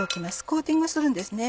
コーティングするんですね。